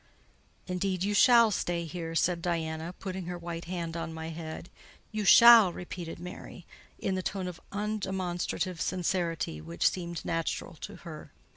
"Indeed you shall stay here," said Diana, putting her white hand on my head. "You shall," repeated Mary, in the tone of undemonstrative sincerity which seemed natural to her.